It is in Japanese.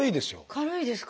軽いですか？